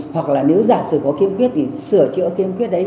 hoặc là nếu giả sử có kiêm quyết thì sửa chữa kiêm quyết đấy